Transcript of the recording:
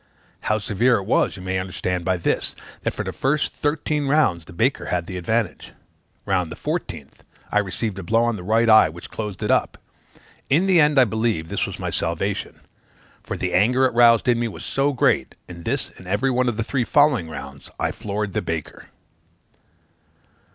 How severe it was, you may understand by this, that for the first thirteen rounds the baker had the advantage. Round the fourteenth, I received a blow on the right eye, which closed it up; in the end, I believe, this was my salvation: for the anger it roused in me was so great that, in this and every one of the three following rounds, I floored the baker.